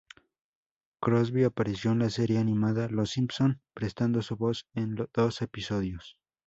Crosby apareció en la serie animada "Los Simpson", prestando su voz en dos episodios.